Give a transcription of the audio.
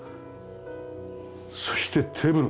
そしてテーブル。